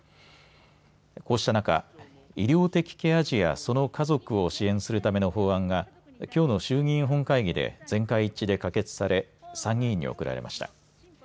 こうした中、医療的ケア児やその家族を支援するための法案がきょうの衆議院本会議で全会一致で可決され参議院に送られました。